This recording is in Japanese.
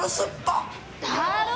だろ？